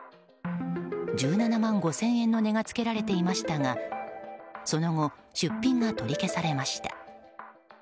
１７万５０００円の値がつけられていましたがその後、出品が取り消されました。